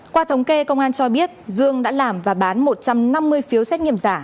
qua thống kê công an cho biết dương đã làm và bán một trăm năm mươi phiếu xét nghiệm giả